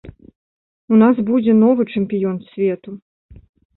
У нас будзе новы чэмпіён свету.